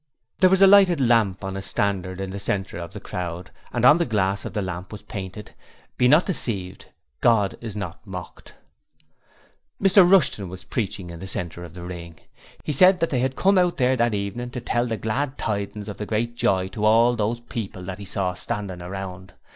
There was a lighted lamp on a standard in the centre of the crowd and on the glass of this lamp was painted: 'Be not deceived: God is not mocked.' Mr Rushton was preaching in the centre of the ring. He said that they had come hout there that evening to tell the Glad Tidings of Great Joy to hall those dear people that he saw standing around.